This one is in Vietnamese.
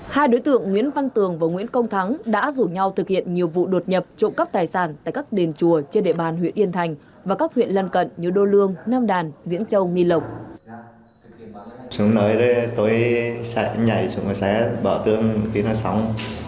hai đối tượng nguyễn văn tường và nguyễn công thắng đã rủ nhau thực hiện nhiều vụ đột nhập trộm cắp tài sản tại các đền chùa trên địa bàn huyện yên thành và các huyện lân cận như đô lương nam đàn diễn châu nghi lộc